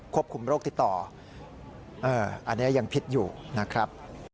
ควบคุมโรคติดต่ออันนี้ยังพิษอยู่นะครับ